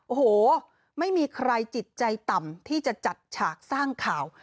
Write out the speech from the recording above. โอ้โหไม่มีใครจิตใจต่ำที่จะจัดฉากสร้างข่าว